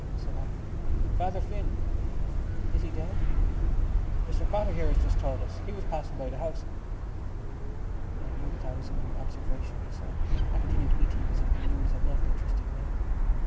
said I. "Father Flynn." "Is he dead?" "Mr Cotter here has just told us. He was passing by the house." I knew that I was under observation so I continued eating as if the news had not interested me.